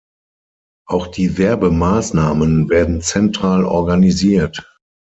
Auch die Werbemaßnahmen werden zentral organisiert.